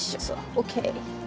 ＯＫ。